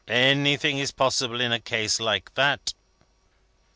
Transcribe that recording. Anything is possible of a case like that."